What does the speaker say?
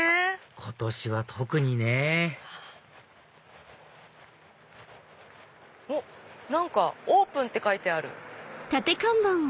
今年は特にね何かオープンって書いてある。